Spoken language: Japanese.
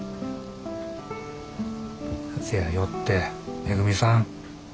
せやよってめぐみさん。